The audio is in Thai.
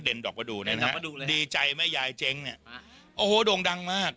เด่นดอกประดูกนี่นะครับดีใจแม่ยายเจ๊งนี่โอ้โฮดงดังมาก